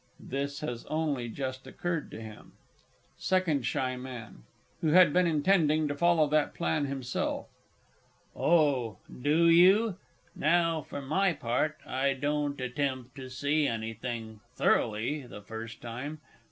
[This has only just occurred to him. SECOND S. M. (who had been intending to follow that plan himself). Oh, do you? Now, for my part, I don't attempt to see anything thoroughly the first time.